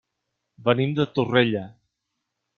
Venim de Torrella.